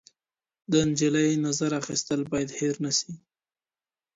د نجلۍ نظر اخیستل باید هېر نه سي.